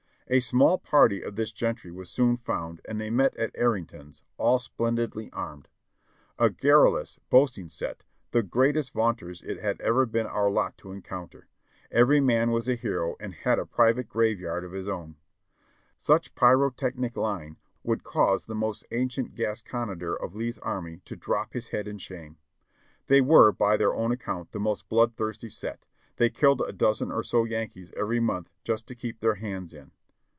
A small party of this gentry was soon found and they met at Arrington's, all splendidly armed. A garrulous, boasting set, the greatest vaunters it had ever been our lot to encounter; every man was a hero and had a private graveyard of his own. 6l4 JOHNNY REB AND BILLY YANK Such pyrotechnic lying would cause the most ancient Gasconader of Lee's army to drop his head in shame. They were, by their own account, the most blood thirsty set ; they killed a dozen or so Yankees every month just to keep their hands in.